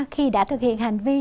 khi đã thực hiện hành vi